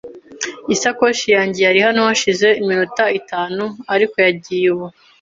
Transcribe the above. Isakoshi yanjye yari hano hashize iminota itanu, ariko yagiye ubu.